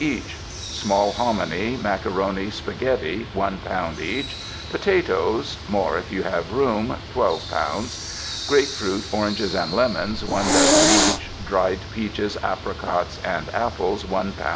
each Small Hominy, Macaroni, Spaghetti 1 lb. each Potatoes (More if you have room) 12 lbs. Grape Fruit, Oranges and Lemons 1 dozen each Dried peaches, apricots and apples 1 lb.